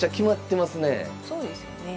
そうですよね。